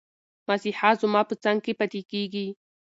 مسیحا زما په څنګ کې پاتې کېږي.